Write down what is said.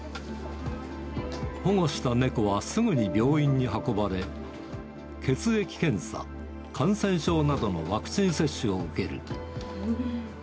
保護した猫はすぐに病院に運ばれ、血液検査、感染症などのワクチン接種を受ける。